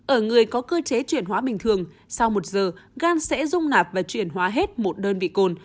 ở người có cơ chế chuyển hóa bình thường sau một giờ gan sẽ dung nạp và chuyển hóa hết một đơn vị cồn